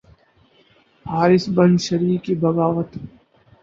Haris bin Shurayh کی بغاوت